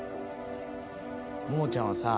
ももちゃんはさ